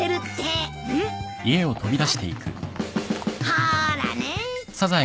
ほらね。